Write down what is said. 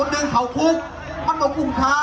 คนหนึ่งเขากุลมันบุคุศา